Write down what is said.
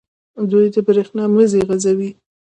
دوی د بریښنا مزي غځوي.